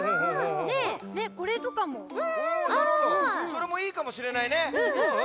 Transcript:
それもいいかもしれないね。